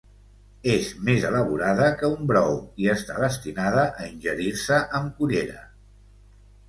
És més elaborada que un brou, i està destinada a ingerir-se amb cullera.